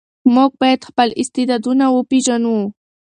موږ باید خپل استعدادونه وپېژنو.